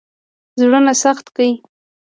زړونه سخت کړي.